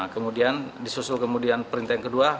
kemudian disusul kemudian perintah yang kedua